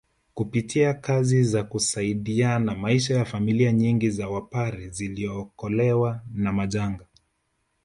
Kupitia kazi za kusaidiana maisha ya familia nyingi za Wapare ziliokolewa na majanga